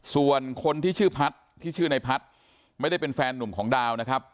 ส่วนคนที่ชื่อพัฒน์ที่ชื่อในพัฒน์ไม่ได้เป็นแฟนหนุ่มของดาวนะครับ